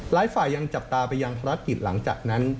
หลายฝ่ายยังจับตาไปยังภารกิจหลังจากนั้น